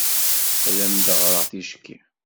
Ad am-d-ɣreɣ ticki.